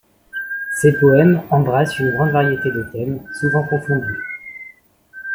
Ces poèmes embrassent une grande variété de thèmes, souvent confondus.